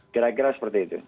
kira kira seperti itu